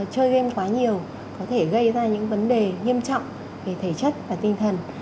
chơi game quá nhiều có thể gây ra những vấn đề nghiêm trọng về thể chất và tinh thần